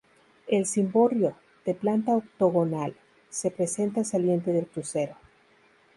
El cimborrio, de planta octogonal, se presenta saliente del crucero.